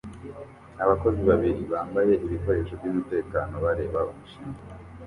Abakozi babiri bambaye ibikoresho byumutekano bareba umushinga